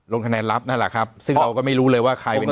ลงคะแนนรับนั่นแหละครับซึ่งเราก็ไม่รู้เลยว่าใครเป็น